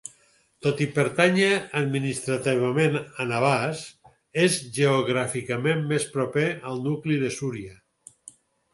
Tot i pertànyer administrativament a Navàs és geogràficament més proper al nucli de Súria.